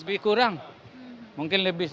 lebih kurang mungkin lebih